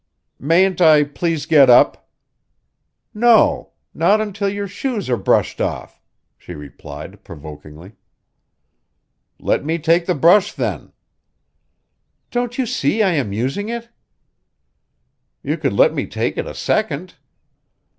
"Mayn't I please get up?" "No. Not until your shoes are brushed off," she replied provokingly. "Let me take the brush then." "Don't you see I am using it?" "You could let me take it a second."